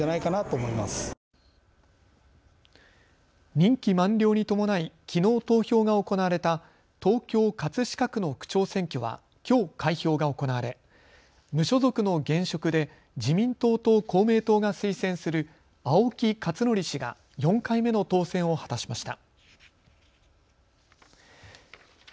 任期満了に伴いきのう投票が行われた東京葛飾区の区長選挙はきょう開票が行われ無所属の現職で自民党と公明党が推薦する青木克徳氏が４回目の当選を果たしました。